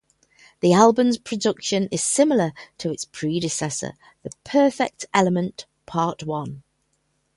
The album's production is similar to its predecessor, "The Perfect Element, part one".